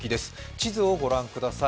地図をご覧ください